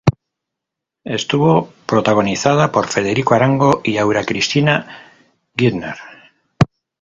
Estuvo protagonizada por Federico Arango y Aura Cristina Geithner.